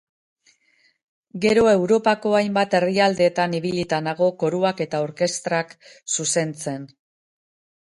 Gero Europako hainbat herrialdetan ibilita nago koruak eta orkestrak zuzentzen.